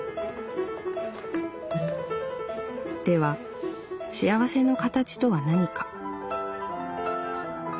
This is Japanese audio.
「では幸せの形とは何か」。